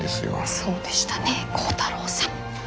そうでしたね光太朗さん。